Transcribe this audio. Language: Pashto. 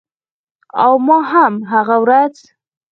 او ما هم هغه ورځ